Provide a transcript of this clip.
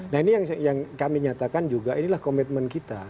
nah ini yang kami nyatakan juga inilah komitmen kita